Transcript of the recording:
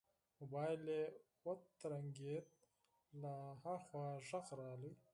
موبايل يې وترنګېد له ها خوا غږ راغی.